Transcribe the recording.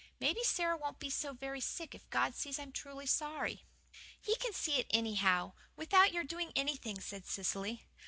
Maybe Sara won't be so very sick if God sees I'm truly sorry." "He can see it anyhow, without your doing anything," said Cecily.